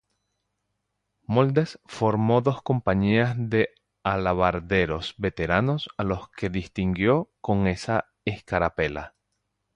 Moldes formó dos compañías de alabarderos veteranos a los que distinguió con esa escarapela.